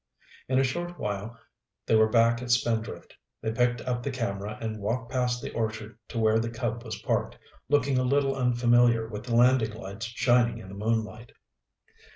In a short while they were back at Spindrift. They picked up the camera and walked past the orchard to where the Cub was parked, looking a little unfamiliar with the landing lights shining in the moonlight.